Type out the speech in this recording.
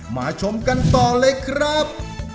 ชมกันต่อเลยครับ